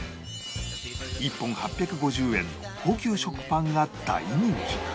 １本８５０円の高級食パンが大人気